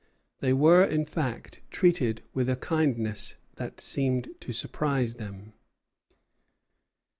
They were in fact treated with a kindness that seemed to surprise them.